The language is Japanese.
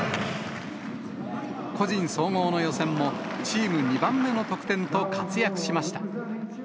個人総合の予選も、チーム２番目の得点と活躍しました。